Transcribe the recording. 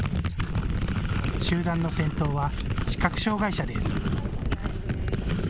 集団の先頭は視覚障害者です。